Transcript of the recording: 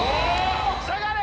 下がれ！